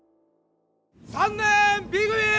「３年Ｂ組」！